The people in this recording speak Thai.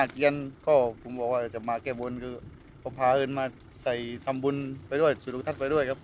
ก็ชุดทางอาหารกับประทัดค่ะ